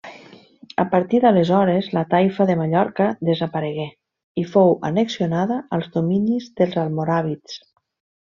A partir d'aleshores la Taifa de Mallorca desaparegué i fou annexionada als dominis dels almoràvits.